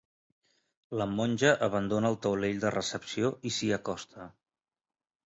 La monja abandona el taulell de recepció i s'hi acosta.